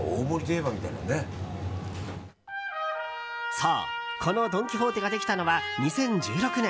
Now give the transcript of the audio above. そう、このドン・キホーテができたのは２０１６年。